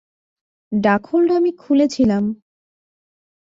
Darkhold আমি খুলেছিলাম।